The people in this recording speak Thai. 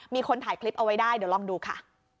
มีคนถ่ายคลิปเอาไว้ได้เดี๋ยวลองดูค่ะ